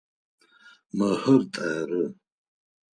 Мыхэр тэры.